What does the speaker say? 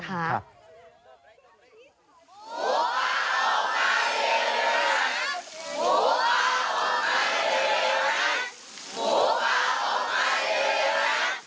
หมูป่าออกมาเร็วนะ